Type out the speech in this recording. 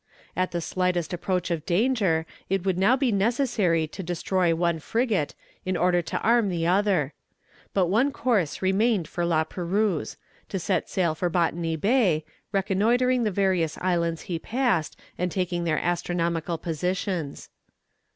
At the slightest approach of danger it would now be necessary to destroy one frigate, in order to arm the other. But one course remained for La Perouse to set sail for Botany Bay, reconnoitring the various islands he passed, and taking their astronomical positions.